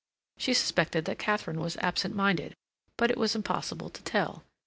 She suspected that Katharine was absent minded, but it was impossible to tell.